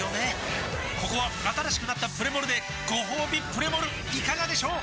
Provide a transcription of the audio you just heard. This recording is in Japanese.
ここは新しくなったプレモルでごほうびプレモルいかがでしょう？